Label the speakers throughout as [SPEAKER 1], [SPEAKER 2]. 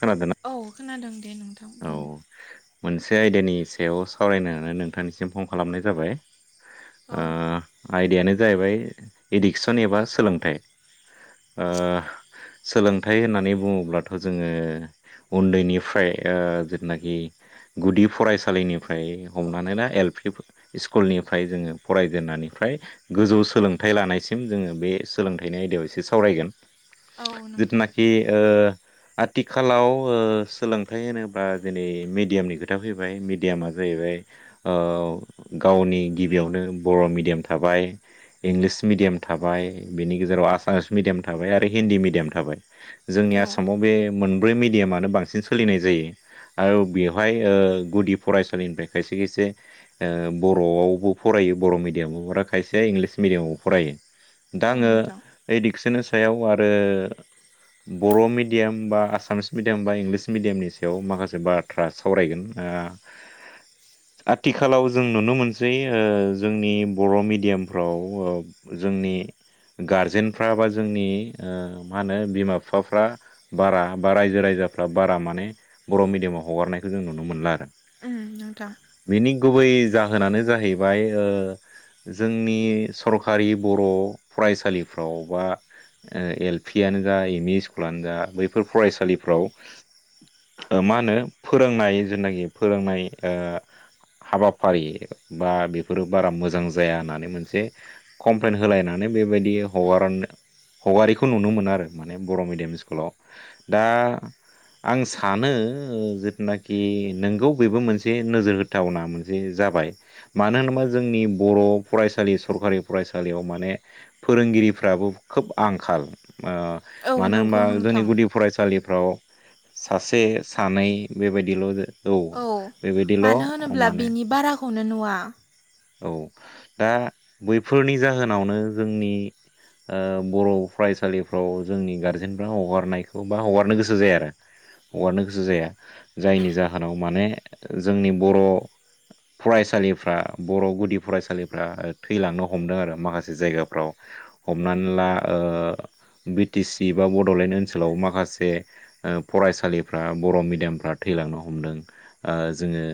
[SPEAKER 1] खोनादोंना
[SPEAKER 2] औ खोनादों दे नोंथां
[SPEAKER 1] औ
[SPEAKER 2] बुं।
[SPEAKER 1] मोनसे आयदानि सायाव सावरायनोनानै नोंथांनिसिम फन खालामनाय जाबाय।
[SPEAKER 2] औ
[SPEAKER 1] ओ आयदायानो जाहैबाय एडुकसन एबा सोलोंथाइ। ओ सोलोंथाइ होननानै बुङोब्लाथ' जोङो उन्दैनिफ्राय ओ जे थुनाखि गुदि फरायसालिनिफ्राय हमनानै ना एल पि स्कुलनिफ्राय जोङो फरायजेननानिफ्राय गोजौ सोलोंथाइ लानायसिम जोङो बे सोलोंथाइनि आयदायाव एसे सावरायगोन।
[SPEAKER 2] औ नोंथां
[SPEAKER 1] जिथुनाखि ओ आथिखालाव ओ सोलोंथाइ होनोब्ला दिनै मेडियामनि खोथा फैबाय मिडियामा जाहैबाय ओ गावनि गिबियावनो बर' मिडियाम थाबाय इंलिस मिडियाम थाबाय बेनि गेजेराव आसामिस मिडियाम थाबाय आ रो हिन्दी मिडियाम थाबाय जोंनि
[SPEAKER 2] औ
[SPEAKER 1] आसामाव बे मोनब्रै मिडियामानो बांसिन सोलिनाय जायो। आरो बेवहाय ओ गुदि फरायसालिनिफ्राय खायसे खायसे ओ बर'आवबो फरायो। बर' मिदियामाव हरा खायसे इंलिस मिडियामाव फरायो दा
[SPEAKER 2] औ
[SPEAKER 1] आङो
[SPEAKER 2] नोंथां
[SPEAKER 1] इदिकसन सायाव आरो बर' मिडियाम बा आसामिस मिडियाम बा इंलिस मिडियामनि सायाव माखासे बाथ्रा सावरायगोन ओ आथिखालाव जों नुनो मोनसै ओ जोंनि बर' मिडियामफ्राव ओ जोंनि गारजेनफ्रा बा जोंनि ओ मा होनो बिमा फिफाफ्रा बारा बा रायजो राजा फ्रा बारा माने बर' मिडियामाव हगारनायखौ जों नुनो मोनला आरो
[SPEAKER 2] उम नोंथां।
[SPEAKER 1] बेनि गुबै जाहोनानो जाहैबाय ओ जोंनि सरखारि बर' फरायसालिफ्राव बा ओ एल पि आनो जा एम इ स्कुलानो जा बैफोर फरायसालिफ्राव ओ मा होनो फोरोंनाय जुनाखि फोरोंनाय ओ हाबाफारि बा बेफोरो बारा मोजां जाया होननानै मोनसे कमप्लेन होलायनानै बेबायदि हगारनो हगारिखौ नुनो मोनो आरो माने बर' मिडियाम स्कुलाव दा आं सानो ओ जिथुनाखि नोंगौ बेबो मोनसे नोजोर होथावना मोनसे जाबाय। मानो होनोबा जोंनि बर' फरायसालि सरखारि फरायसालियाव माने फोरोंगिरिफ्राबो खोब आंखाल ओ
[SPEAKER 2] औ
[SPEAKER 1] मानो होनबा
[SPEAKER 2] नंगौ
[SPEAKER 1] जोंनि
[SPEAKER 2] नोंथां
[SPEAKER 1] गुदि फरायसालिफ्राव सासे सानै बेबायदिल' जा औ बेबायदिल'
[SPEAKER 2] मानो होनोब्ला
[SPEAKER 1] माने
[SPEAKER 2] बेनि बाराखौनो नुवा
[SPEAKER 1] औ दा बैफोरनि जाहोनावनो जोंनि ओ बर' फरायसालिफ्राव जोंनि गारजेनफ्रा हगारनायखौ बा हगारनो गोसो जाया आरो हगारनो गोसो जाया जायनि जाहोनाव माने जोंनि बर' फरायसालिफ्रा बर' गुदि फरायसालिफ्रा ओ-थैलांनो हमदों आरो माखासे जायगाफ्राव। हमनानै ला ओ ओ बि टि सि बा बड'लेण्ड ओनसोलाव माखासे ओ फरायसालिफ्रा बर' मिडियामफ्रा थै लांनो हमदों। ओ जोङो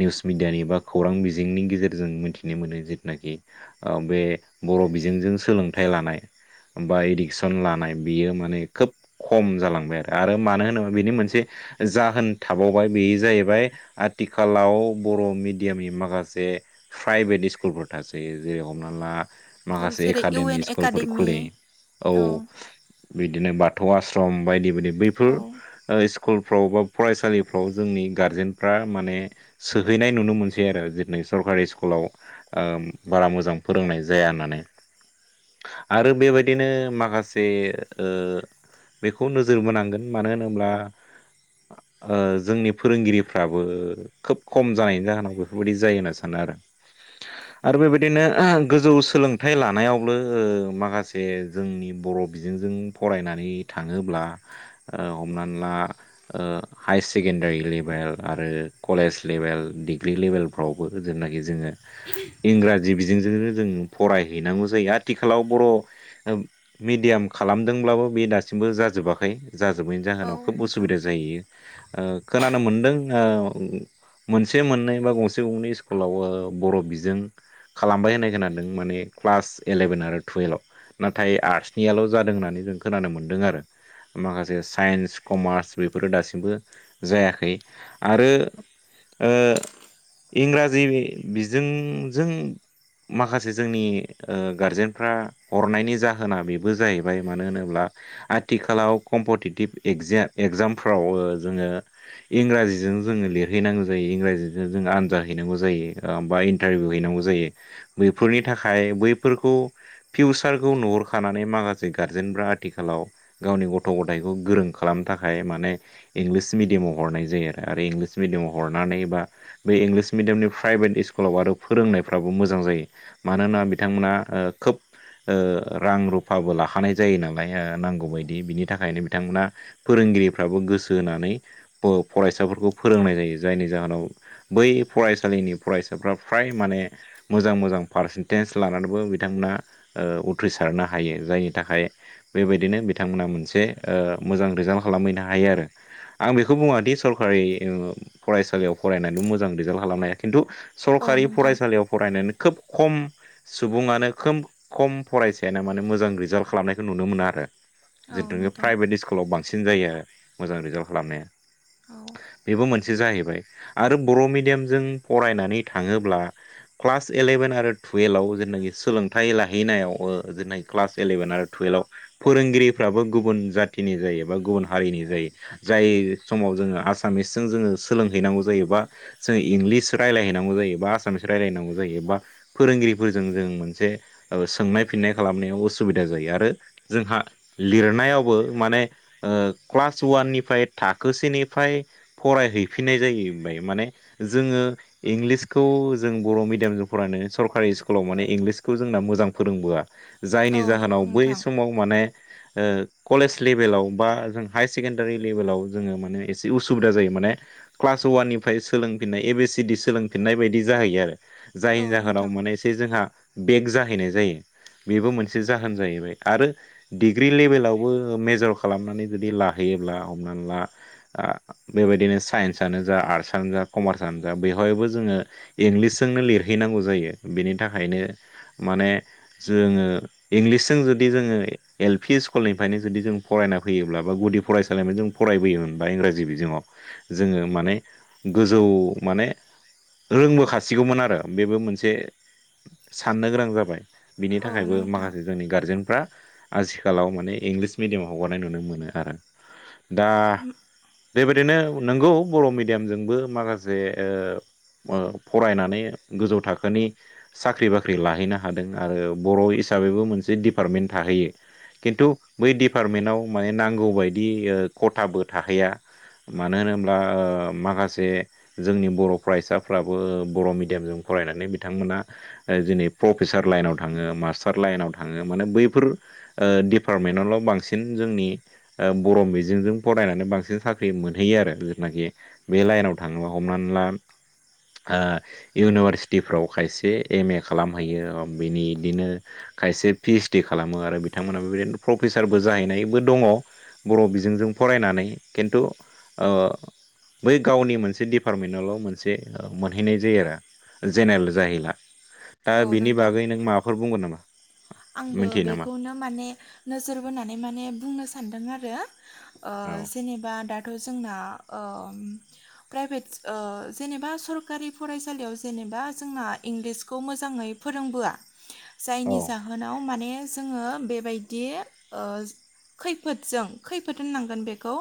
[SPEAKER 1] निउस मिडियानि बा खौरां बिजोंनि गे जेरजों मिथिनो मोनो जेथुनाखि ओ बे बर' बिजोंजों सोलोंथाइ लानाय बा एडुकेसन लानाय बियो माने खोब खम जालांबाय आरो, आरो मानो होनोबाला बेनि मोनसे जाहोन थाबावबाय, बे जाहैबाय आथिखालाव बर' मिडियामनि माखासे प्राइभेट स्कुलफोर थासोयो, जेरै- हमनानै ला
[SPEAKER 2] औ
[SPEAKER 1] माखासे
[SPEAKER 2] जेरै इउ एन
[SPEAKER 1] एकाडेमि स्कुलफोर
[SPEAKER 2] एकाडेमि
[SPEAKER 1] खुलियो औ बिदिनो बाथौ आसश्रम बायदि-बायदि। बैफोर
[SPEAKER 2] औ
[SPEAKER 1] ओ स्कुलफ्राव बा फरायसालिफ्राव जोंनि गारजेनफ्रा माने सोहैनाय नुनो मोनसै आरो सरकारि स्कुलाव ओ-बारा मोजां फोरोंनाय जाया होननानै। आरो बेबायदिनो माखासे ओ बेखौ नोजोर बोनांगोन, मानो होनोब्ला ओ-जोंनि फोरोंगिरिफ्राबो खोब खम जानायनि जाहोनाव बेफोरबायदि जायोना सानो आरो। आरो बेबायदिनो ओह गोजौ सोलोंथाइ लानायावबो ओ माखासे जोंनि बर' बर' बिजोंजों फरायनानै थाङोब्ला, ओ हमनानैला ओ हाइस सेकेन्डारि लेभेल आरो कलेज लेभेल, डिग्रि लेभेलफ्राव [unintelligible] जेनाखि जोङो इंराजि बिजोंजोंनो जों फरायहैनांगौ जायो। आथिखालाव बर' ओब-मिडियाम खालामदोंब्लाबो बे दासिमबो जाजोबाखै। जाजोबैनि
[SPEAKER 2] औ
[SPEAKER 1] जाहोनाव खोब
[SPEAKER 2] नोंथां
[SPEAKER 1] उसुबिदा जाहैयो। ओ-खोनानो मोनदों ओ-मोनसे-मोननै बा गं से-गंनै स्कुलाव ओ बर' बिजों खालामबाय होननाय खोनादों। माने क्लास इलेभेन आरो [unintelligible] टुयेलभाव। नाथाय आर्ट्सनियाल' जादों होननानै जों खोनानो मोनदों आरो माखासे साइन्स, कमार्स बेफोरो दासिमबो जायाखै। आरो ओ इंराजि बिजों-जों माखासे जोंनि ओ गारजेनफ्रा हरनायनि जाहोना बेबो जाहैबाय मानो होनोब्ला आथिखालाव कम्पिटिटिभ एगजा-एगजामफ्राव जोङो इंराजिजों जोङो लिरहैनांगौ जायो इंराजि जों आनजाद हैनांगौ जायो, बा इन्टारभिउ हैनांगौ जायो। बैफोरनि थाखाय बैफोर खौ फिउसारखौ नुहखानानै माखासे गारजेनफ्रा आथिखालाव गावनि गथ'- गथायखौ गोरों खालामनो थाखाय माने इंलिस मिडियामाव हरनाय जायो, आरो आरो इंलिस मिडियामाव हरनानै बा बे इंलिस मिडियामनि प्राइभेट स्कुलाव आरो फोरोंनायफ्राबो मोजां जायो। मानोना बिथांमोना ओ खोब ओ रां रुफाबो लाखानाय जायो नालाय नांगौ बायदि बिनि थाखायनो बिथां मोना फोरोंगिरिफ्राबो गोसो होनानै फ-फरायसाफोरखौ फोरोंनाय जायो। जायनि जाहोनाव बै फरायसालिनि फरायसाफ्रा फ्राय माने मोजां मोजां पारसेन्टेज लानानैबो बिथांमोना ओ उथ्रिसारनो हायो। जायनि थाखाय बेबायदिनो बिथांमोना मोनसे ओ मोजां रिजाल्ट खालामहैनो हायो। आरो आं बेखौ बुङा दि सरकारि फरायसालियाव फरायनानैबो मोजां रिजाल्ट खालामनो हायाखै। खिन्थु
[SPEAKER 2] औ
[SPEAKER 1] सरखारि
[SPEAKER 2] नोंथां
[SPEAKER 1] फरायसालियाव फरायनानै खोब खम सुबुङानो, खोब खम फरायसायानो माने मोजां रिजाल्ट खालामनायखौ नुनो मोना आरो।
[SPEAKER 2] औ
[SPEAKER 1] जिथुनो
[SPEAKER 2] नोंथां
[SPEAKER 1] प्राइभेट स्कुलाव बांसिन जायो आरो मोजां रिजाल्ट खालामनाया।
[SPEAKER 2] औ
[SPEAKER 1] बेबो मोनसे जाहैबाय आरो बर' मिडियामजों फरायनानै थाङोब्ला, क्लास इलेभेन आरो टुवेल्भाव सोलोंथाइ लाहैनायाव ओ जेना क्लास इलेभेन आरो टुयेल्भआव फोरोंगिरिफ्राबो गुबुन जाथिनि जायो बा गुबुन हारिनि जायो ‌। जाय समाव जोङो आसामिसजों जोङो सोलोंहैनांगौ जायो बा जोङो इंलिस रायलायहैनांगौ जायो, बा आसामिस रायलाय हैनांगौ जायो बा फोरोंगिरिफोरजों जों मोनसे सोंनाय फिननाय खालामनायाव उसुबिदा जायो आरो जोंहा लिरनायावबो माने ओ क्लास वाननिफ्राय थाखोसेनिफ्राय फरायहैफिननाय जायो। माने जोङो इंलिसखौ जों बर' मिडयामजों फरायनानै सरकारि स्कुलाव माने इंलिसखौ जोंना मोजां फोरोंबोआ
[SPEAKER 2] औ
[SPEAKER 1] जायनि जाहोनाव बै
[SPEAKER 2] नोंथां
[SPEAKER 1] समाव माने ओ कलेज लेभेलाव बा जों हायार सेकेण्डारि लेभेलाव जोङो माने एसे उसुबिदा जायो। माने क्लास वाननि फ्राय सोलोंफिननाय ए बि सि डि सोलोंफिननाय बायदि जाहैयो आरो जायनि
[SPEAKER 2] औ
[SPEAKER 1] जाहोनाव
[SPEAKER 2] नोंथां
[SPEAKER 1] माने एसे जोंहा बेग जाहैनाय जायो। बेबो मोनसे जाहोन जाहैबाय आरो डिग्रि लेभेलावबो मेजर खालामनानै जुदि लाहैयो ल्बा हमनानै ला ओ बेबायदिनो साइनस जानो जा आरतसा नो जा कमार्सआनो जा बेवहायबो जोङो इंलिसजोंनो लिरहैनांगौ जायो बेनि थाखायनो माने जोङो इंलिसजों जुदि जोङो एल पि स्कुलनिफ्रायनो जुदि जों फराय फरायना फैयोब्ला बा गुदि फरायसालिम जों फरायबोयोमोन बा इंराजि बिजोङाव जोङो माने गोजौ माने रोंबोखाासिगौमोन आरो बेबो मोनसे साननो गोनां जाबाय। बिनि
[SPEAKER 2] औ
[SPEAKER 1] थाखायबो
[SPEAKER 2] नोंथां
[SPEAKER 1] माखासे जोंनि गारजेनफ्रा आथिखालाव माने इंलिस मिडियामाव हगारनाय नुनो मोनो आरो दा बेबायदिनो नोंगौ बर' मिडियामजोंबो माखासे ओ ओ फरायनानै गोजौ थाखोनि साख्रि बाख्रि लाहैनो हादों आरो बर' हिसाबैबो मोनसे डिपार्टमेन्ट थाहैयो खिन्थु बै डिपार्टमेन्टआव माने नांगौ बायदि ओ ख'थाबो थाहैया मानो होना ल्बा ओ माखासे जे जोंनि बर' फरायसाफ्राबो बर' मिडियामजों फरायनानै बिथांमोना आ दिनै प्रफेसार लाइनाव थाङो मास्टार लाइनाव थाङो माने बैफोर डिपार्टमेन्टआवल' बांसिन जोंनि ओ बर' मिजजों फरायनानै बांसिन साख्रि मोनहैयो आरो जिथुनाखि बे लाइनाव थाङोबा हमनानै ला ओ इउनिभारसिटिफ्राव खायसे एम ए खालामहैयो बिनि इदिनो खायसे पि इस डि खालामो आरो बिथांमोनाबो बेबायदिनो प्रफेसारबो जाहैनायबो दङ बर' बिजोंजों फरायनानै खिन्थु ओ बै गावनि मोन मोनसे डिपार्टमेन्टआवल' मोनसे मोनहैनाय जायो आरो जेनेरेल जाहैला दा
[SPEAKER 2] औ
[SPEAKER 1] बिनि
[SPEAKER 2] नोंथां
[SPEAKER 1] बागै नों माबाफोर बुंगोन नामा?
[SPEAKER 2] आंबो
[SPEAKER 1] मिथियो नामा
[SPEAKER 2] बेखौनो माने नोजोर बोनानै माने बुंनो सानदों आरो ओ
[SPEAKER 1] औ
[SPEAKER 2] जेनेबा दाथ' जोंना ओ प्राइब्रेद ओ जेनेबा सरकारि फरायसालियाव जेबा जोंना इंलिसखौ मोजाङै फोरोंबोआ
[SPEAKER 1] औ
[SPEAKER 2] जायनि जावनाव माने जोङो बेबायदि ओ खैफोदजों खैफोद होननांगोन बेखौ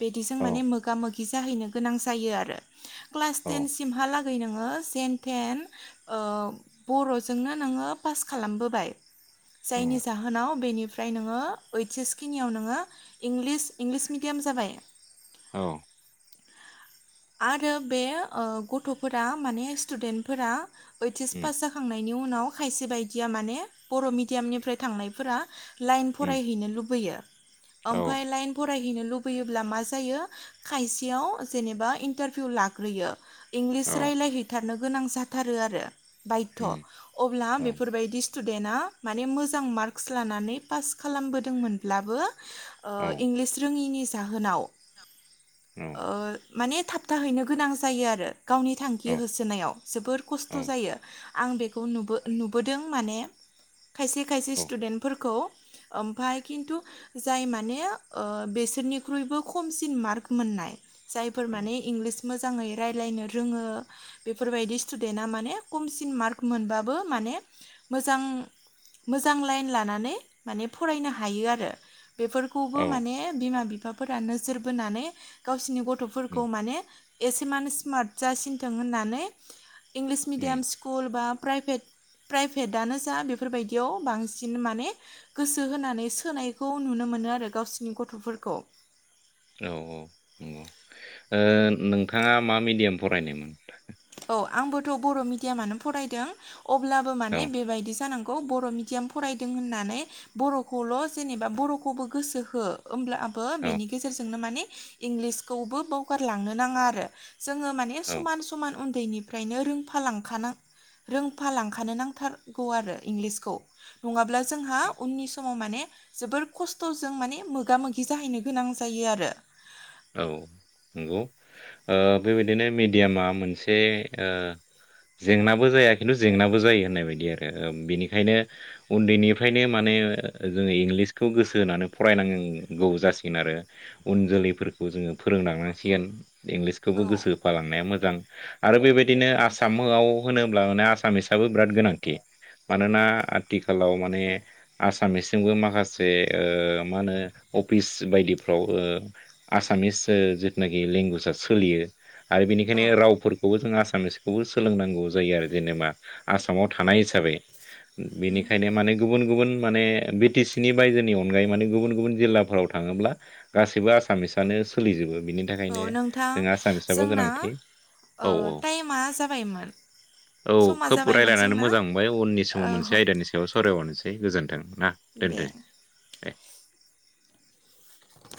[SPEAKER 2] बिदिजों
[SPEAKER 1] औ
[SPEAKER 2] माने मोगा मोगि जाहैनो गोनां जायो आरो क्लास
[SPEAKER 1] औ
[SPEAKER 2] टेनसिमहाला गै नोङो सेन टेन ओ बर'जोंनो नोङो पास खालामबोबाय
[SPEAKER 1] [inaudible]
[SPEAKER 2] जायनि जाहोनाव बेनिफ्राय नोङो ओइस एसखिनियाव नोङों इंलिस इंलिस मिडियाम जाबाय [unintelligible]
[SPEAKER 1] औ
[SPEAKER 2] आरो बे ओ गथ'फोरा माने स्टुडेन्टफोरा ओइटस
[SPEAKER 1] उम
[SPEAKER 2] पास जाखांनाय नि उनाव खायसे बायदिया माने बर' मिडयामनिफ्राय थांनायफोरा लाइन
[SPEAKER 1] उम
[SPEAKER 2] फरायहैनो लुबैयो
[SPEAKER 1] औ
[SPEAKER 2] ओमफ्राय लाइन फराय हैनो लुबैयोब्ला मा जायो खायसेयाव जेनेबा इन्टारभिउ लाग्रोयो इंलिस
[SPEAKER 1] औ
[SPEAKER 2] रायज्लायहैथारनो गोनां जाथारो आरो बायध'
[SPEAKER 1] उम
[SPEAKER 2] अब्ला
[SPEAKER 1] औ
[SPEAKER 2] बेफोरबायदि स्टुदेन्ट आ माने मोजां मार्कस लानानै पास खालामबोदोंमोनब्लाबो ओ
[SPEAKER 1] औ
[SPEAKER 2] इंलिस रोङिनि जाहोनाव ओ माने थाबथाहैनो गोनां जायो आरो गावनि थांखि होसोनायाव जोबोर कस्थ जायो आं बेखौ नुबो नुबोदों माने खायसे खायसे
[SPEAKER 1] औ
[SPEAKER 2] स्टुदेन्टफोरखौ ओमफाय खिन्थु जाय माने ओ बेसोरनिख्रुइबो खमसिन मार्क मोन नाय जायफोर फोर
[SPEAKER 1] औ
[SPEAKER 2] माने इंलिस मोजाङै रायलायनो रोङो बेफोरबायदि स्टुडेन्टा माने खमसिन मार्क मोनबाबो माने मोजां मोजां लाइन लानानै माने फरायनो हायो आरो बेफोरखौबो
[SPEAKER 1] औ
[SPEAKER 2] माने बिमा बिफाफोरा नोजोर बोनानै गावसिनि
[SPEAKER 1] उम
[SPEAKER 2] गथफोरखौ माने एसे मानो स्मार्ट जासिनथों होननानै इंलिस
[SPEAKER 1] उम
[SPEAKER 2] मिडियाम स्कुल बा प्राइभेट प्राइभेटआनो जा बेफोरबायदियाव बांसिन माने गोसो होनानै सोनायखौ नुनो मो नो आरो गावसिनि गथ'फोरखौ।
[SPEAKER 1] औ औ नंगौ। ओ नोंथाङा मा मिडियाम फरायनायमोन?
[SPEAKER 2] औ आंबोथ' बर मिडियामानो फरायदों अब्लाबो
[SPEAKER 1] औ
[SPEAKER 2] माने बेबायदि जानां गौ बर' मिडियाम फरायदों होननानै बर'खौल जेनेबा बर'खौबो गोसो हो। ओमब्लाबो
[SPEAKER 1] औ
[SPEAKER 2] बेनि गेजेरजोंनो माने इंलिसखौबो बावगारलांनो नाङा आरो जोङो माने
[SPEAKER 1] औ
[SPEAKER 2] समान समान उन्दैनिफ्रायनो रोंफालांखानां रोंफालांखानो नांथारगौ आरो इंलिसखौ। नङाब्ला जोंहा उननि समाव माने जोबोर खस्थ'जों माने मोगा मोगि जाहैनो गोनां जायो आरो
[SPEAKER 1] औ। नंगौ ओ बेबायदिनो मेडियामा मोनसे ओ जेंनाबो जाया खिन्थु जेंनाबो जायो होननाय बायदि आरो ओम बेनिखायनो उन्दैनिफ्रायनो माने [unintelligible] जों इंलिसखौ गोसो होनानै फरायनांगौ जासिगोन आरो उन जोलैफोर खौ जोङो फोरोंलांनांसिगोन। इंलिसखौबो
[SPEAKER 2] औ
[SPEAKER 1] गोसो होफालांनाया मोजां आरो बेबाय दिनो आसामाव होनोब्ला माने आसामिसाबो बिराद गोनांथि। मानोना आथिखालाव माने आसामिसजोंबो माखासे ओ मा होनो अफिस बायदिफ्राव ओ आसामिस ओ जिथुनाखि लेंगुवेजआ सोलियो आरो
[SPEAKER 2] औ
[SPEAKER 1] बेनिखायनो रावफोर खौ जों आसामिसखौबो सोलोंनांगौ जायो आरो जेनेबा आसामाव थानाय हिसाबै। बेनिखायनो माने गुबुन गुबुन माने बि टि सि नि बायजोनि अनगायै माने गुबुन गुबुन जिल्लाफोराव थाङोब्ला गासैबो आसामिस सानो सोलिजोबो। बिनि थाखायनो
[SPEAKER 2] औ नोंथां
[SPEAKER 1] जों आसामिसाबो
[SPEAKER 2] जोंना
[SPEAKER 1] गोनांथि
[SPEAKER 2] ओ
[SPEAKER 1] औ औ
[SPEAKER 2] टाइमा जाबायमोन
[SPEAKER 1] औ
[SPEAKER 2] समा
[SPEAKER 1] खोब
[SPEAKER 2] जाबायमोन
[SPEAKER 1] रायलायनानै
[SPEAKER 2] जोंना
[SPEAKER 1] मोजां मोनबाय उननि समाव मोनसे
[SPEAKER 2] औ
[SPEAKER 1] आयदानि सायाव सरायबावनो सै गोजोन्थों ना दोनदो
[SPEAKER 2] दे
[SPEAKER 1] दे।